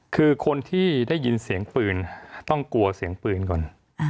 คือคนที่ได้ยินเสียงปืนต้องกลัวเสียงปืนก่อน